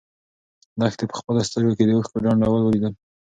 لښتې په خپلو سترګو کې د اوښکو ډنډول ولیدل.